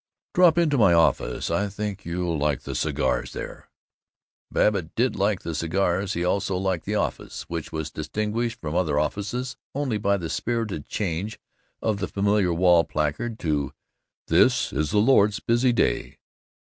"Drop into my office. I think you'll like the cigars there." Babbitt did like the cigars. He also liked the office, which was distinguished from other offices only by the spirited change of the familiar wall placard to "This is the Lord's Busy Day."